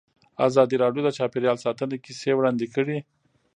ازادي راډیو د چاپیریال ساتنه کیسې وړاندې کړي.